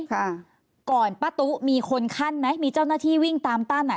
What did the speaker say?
ค่ะก่อนป้าตุ๊มีคนขั้นไหมมีเจ้าหน้าที่วิ่งตามตั้นอ่ะ